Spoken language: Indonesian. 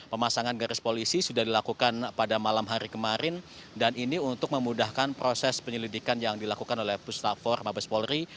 pemasangan garis polisi sudah dilakukan pada malam hari kemarin dan ini untuk memudahkan proses penyelidikan yang dilakukan oleh pustafor mabes polri